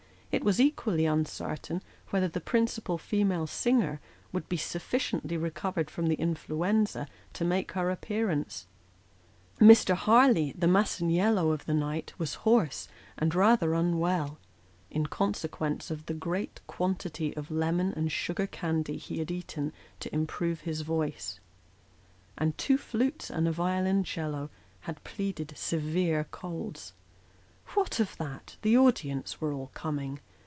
It was equally uncertain whether the principal female singer would be sufficiently recovered from the influenza to make her appearance; Mr. Harleigh, the Masaniello of the night, was hoarse, and rather unwell, in consequence of the great quantity of lemon and sugar candy he had eaten to improve his voice ; and two flutes and a violoncello had pleaded severe colds. What of that ? the audience were all coming.